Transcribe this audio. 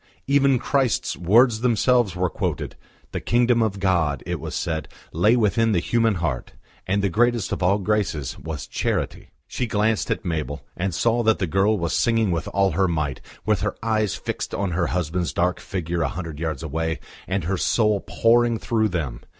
Even Christ's, words themselves were quoted. The kingdom of God, it was said, lay within the human heart, and the greatest of all graces was Charity. She glanced at Mabel, and saw that the girl was singing with all her might, with her eyes fixed on her husband's dark figure a hundred yards away, and her soul pouring through them.